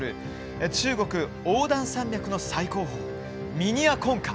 中国横断山脈の最高峰ミニヤコンカ。